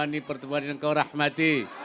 negara yang kuat